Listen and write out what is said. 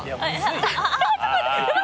ちょっと待ってヤバ。